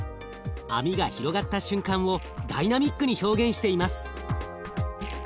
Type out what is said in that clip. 網が広がった瞬間をダイナミックに表現しています。